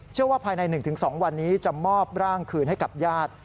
ภายใน๑๒วันนี้จะมอบร่างคืนให้กับญาติ